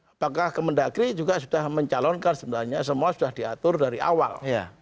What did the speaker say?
apakah kemendagri juga sudah mencalonkan sebenarnya semua sudah diatur dari awal